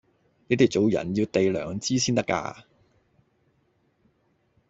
你哋做人要哋良知先得架